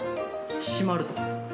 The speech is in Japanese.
閉まると。